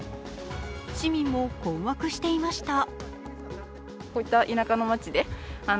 市民も困惑していました。